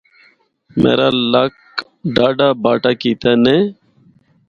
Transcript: میرا لکھ ڈاہڈا باٹا کیتا نے۔